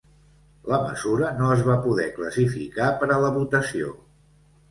La mesura no es va poder classificar per a la votació.